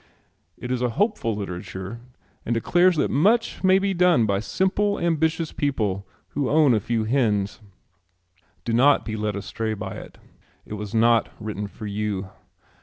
It is a hopeful literature and declares that much may be done by simple ambitious people who own a few hens. Do not be led astray by it. It was not written for you.